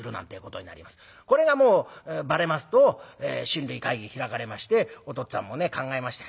これがもうバレますと親類会議開かれましてお父っつぁんもね考えました。